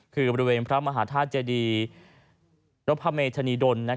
คือบริเวณพระมหาธาตุเจดีนพเมธนีดล